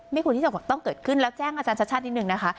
ควรที่จะต้องเกิดขึ้นแล้วแจ้งอาจารย์ชัดนิดนึงนะคะ